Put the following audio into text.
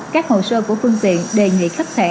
các hồ sơ của phương tiện đề nghị khách sạn